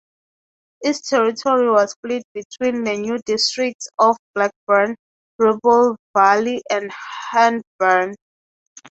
Its territory was split between the new districts of Blackburn, Ribble Valley and Hyndburn.